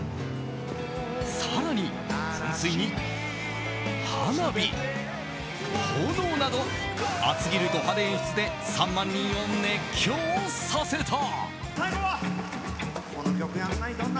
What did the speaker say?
更に、噴水に花火、炎など熱すぎるド派手演出で３万人を熱狂させた。